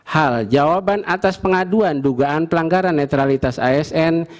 hal jawaban atas pengaduan dugaan pelanggaran netralitas asn